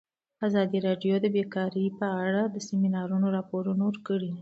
ازادي راډیو د بیکاري په اړه د سیمینارونو راپورونه ورکړي.